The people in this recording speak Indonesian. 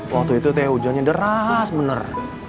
waktu itu teh hujannya deras benar